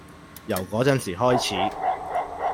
由嗰陣時開始